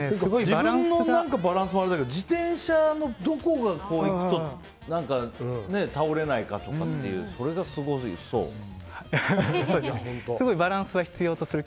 自分のバランスもあれだけど自転車のどこがいくと倒れないかとかっていうそれがすごすぎる。